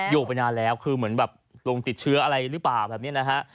อยู่ไปนานแล้วคือเหมือนลงติดเชื้ออะไรรึเปล่า